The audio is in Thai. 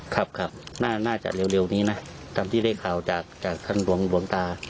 ครับครับน่าจะเร็วเร็วนี้นะตามที่ได้ข่าวจากจากท่านหลวงบางตา